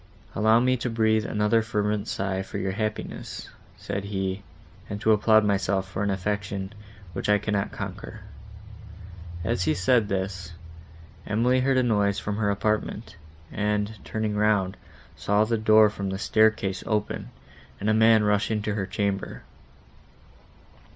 "Allow me to breathe another fervent sigh for your happiness," said he, "and to applaud myself for an affection, which I cannot conquer." As he said this, Emily heard a noise from her apartment, and, turning round, saw the door from the staircase open, and a man rush into her chamber.